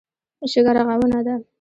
شګه رغونه ده.